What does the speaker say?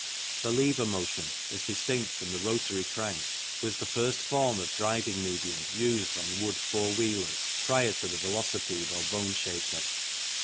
The lever motion, as distinct from the rotary crank, was the first form of driving medium used on wood four wheelers prior to the velocipede or boneshaker.